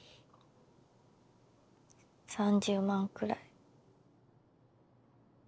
３０万くらい。